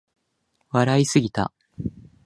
笑いすぎた